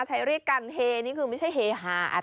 ใช้เรียกกันเฮนี่คือไม่ใช่เฮฮาอะไรหรอก